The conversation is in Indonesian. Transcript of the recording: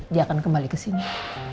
dia akan kembali kesini